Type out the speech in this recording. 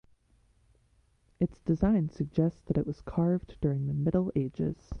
Its design suggests that it was carved during the Middle Ages.